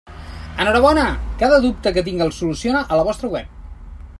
Enhorabona, cada dubte que tinc el solucione a la vostra web.